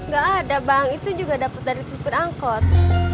gak ada bang itu juga dapet dari cukur angkot